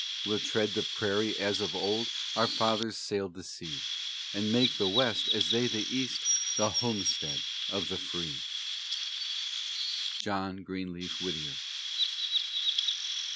We'll tread the prairie as of old Our fathers sailed the sea, And make the West, as they the East, The homestead of the free! JOHN GREENLEAF WHITTIER.